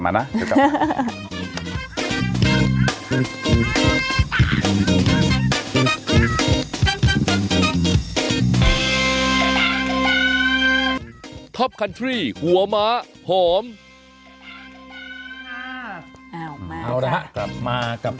อ่าเดี๋ยวกลับมานะ